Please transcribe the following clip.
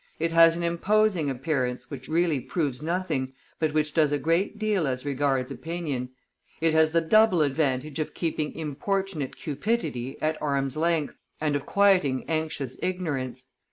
It has an imposing appearance which really proves nothing, but which does a great deal as regards opinion; it has the double advantage of keeping importunate cupidity at arm's length and of quieting anxious ignorance.